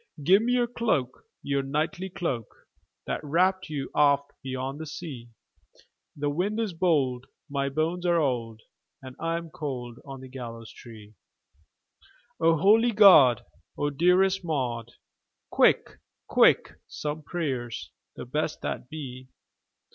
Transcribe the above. "Give me your cloak, your knightly cloak, That wrapped you oft beyond the sea; The wind is bold, my bones are old, And I am cold on the gallows tree." "O holy God! O dearest Maud, Quick, quick, some prayers, the best that be!